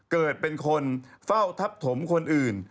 เกิดเป็นคนเฝ้าทับถมคนอื่น